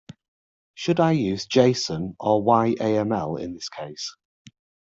Should I use json or yaml in this case?